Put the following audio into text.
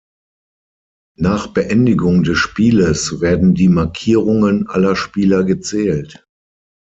Nach Beendigung des Spieles werden die Markierungen aller Spieler gezählt.